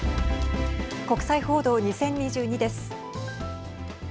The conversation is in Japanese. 国際報道２０２２です。